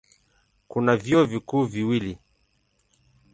Kuna vyuo vikuu viwili.